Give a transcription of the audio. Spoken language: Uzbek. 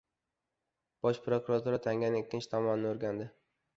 Bosh prokuratura «tanganing ikkinchi tomoni»ni o‘rgandi